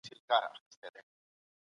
موږ بايد د سياست په اړه علمي پوهه ولرو.